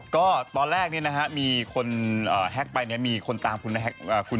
ก็ตอนแรกเนี่ยนะฮะมีคนแฮ็กไปเนี่ยมีคนตามคุณ